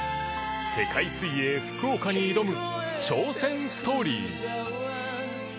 世界水泳福岡に挑む超戦ストーリー